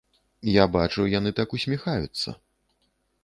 Я бачу, яны так усміхаюцца.